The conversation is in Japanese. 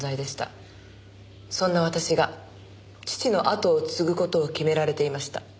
そんな私が父のあとを継ぐ事を決められていました。